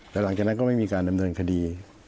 แต่หลังจากนั้นก็ไม่มีการดำเนินคดี